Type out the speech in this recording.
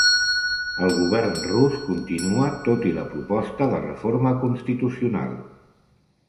El govern rus continua tot i la proposta de reforma constitucional